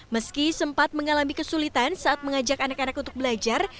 meski sempat mengalami kesulitan saat mengajak anak anak untuk belajar